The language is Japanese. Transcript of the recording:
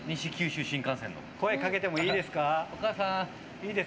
声かけてもいいですか。